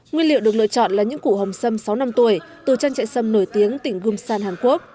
nguyên liệu được lựa chọn là những củ hồng sâm sáu năm tuổi từ trang trại sâm nổi tiếng tỉnh gumsan hàn quốc